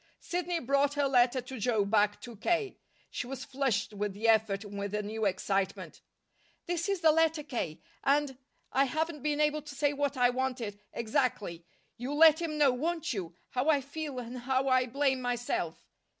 Sidney brought her letter to Joe back to K. She was flushed with the effort and with a new excitement. "This is the letter, K., and I haven't been able to say what I wanted, exactly. You'll let him know, won't you, how I feel, and how I blame myself?"